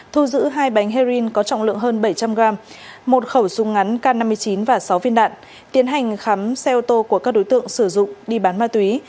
thu giữ hai bánh heroin có trọng lượng hơn bảy trăm linh gram một khẩu súng ngắn k năm mươi chín và sáu viên đạn tiến hành khám xe ô tô của các đối tượng sử dụng đi bán ma túy